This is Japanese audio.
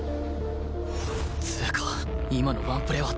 つうか今のワンプレーはでかい